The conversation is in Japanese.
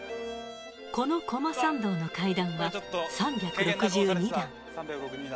このこま参道の階段は３６２段。